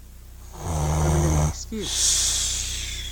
Ḥemmlent-k s tidet.